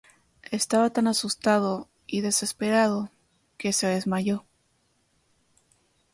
Estaba tan asustado y desesperado que se desmayó.